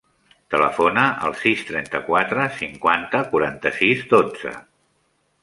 Telefona al sis, trenta-quatre, cinquanta, quaranta-sis, dotze.